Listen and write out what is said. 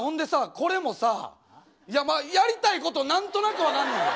これもさいやまあやりたいこと何となく分かんねんで。